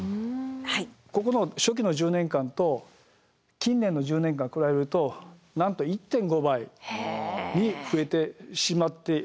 ここの初期の１０年間と近年の１０年間比べるとなんと１．５倍に増えてしまっています。